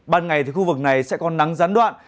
ban ngày thì khu vực này sẽ có nắng gián đoạn